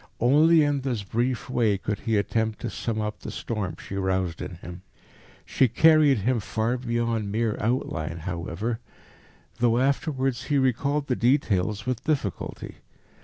Only in this brief way could he attempt to sum up the storm she roused in him. She carried him far beyond mere outline, however, though afterwards he recalled the details with difficulty.